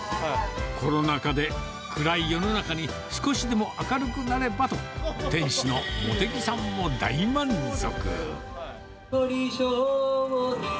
コロナ禍で暗い世の中に、少しでも明るくなればと、店主の茂木さんも大満足。